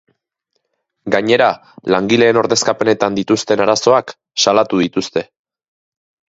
Gainera, langileen ordezkapenetan dituzten arazoak salatu dituzte.